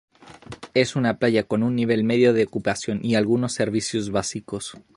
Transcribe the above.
Es una playa con un nivel medio de ocupación y algunos servicios básicos.